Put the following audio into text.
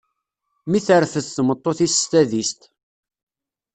Mi terfed tmeṭṭut-is s tadist.